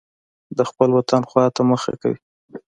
د خپل وطن خوا ته مخه کوي.